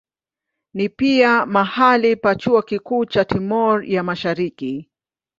Ni pia mahali pa chuo kikuu cha Timor ya Mashariki.